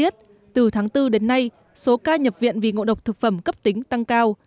từ tháng bốn đến nay số ca nhập viện vì ngộ độc thực phẩm cấp tính tăng cao